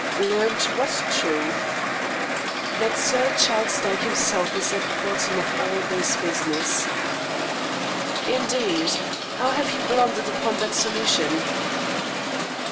"Learnt what truth?" "That Sir Charles Dyke himself is at the bottom of all this business." "Indeed. How have you blundered upon that solution?"